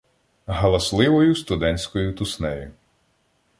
Галасливою студентською туснею